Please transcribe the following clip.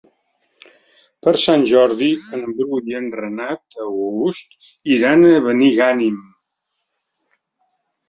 Per Sant Jordi en Bru i en Renat August iran a Benigànim.